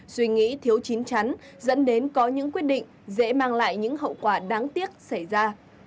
suy nghĩ thiếu chín chắn dẫn đến có những quyết định dễ mang lại những hậu quả đáng tiếc xảy ra